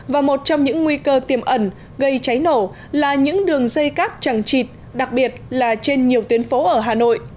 và một trong những nguy cơ tiềm ẩn gây cháy nổ là những đường dây cáp chẳng chịt đặc biệt là trên nhiều tuyến phố ở hà nội